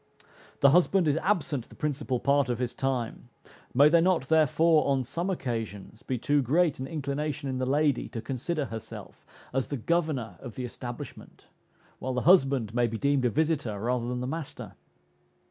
The husband is absent the principal part of his time, may there not therefore, on some occasions, be too greet an inclination in the lady to consider herself as the governor of the establishment, while the husband may be deemed a visiter, rather than the master?